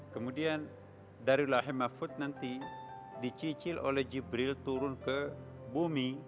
kemudian dari lahi mahfud nanti dicicil oleh jibril turun ke bumi